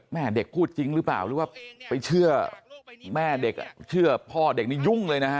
แม่เด็กเชื่อพ่อเด็กยุ่งเลยนะฮะ